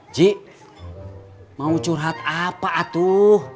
ji mau curhat apa atuh